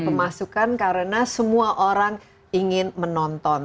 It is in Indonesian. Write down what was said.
pemasukan karena semua orang ingin menonton